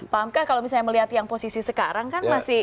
pak amka kalau misalnya melihat yang posisi sekarang kan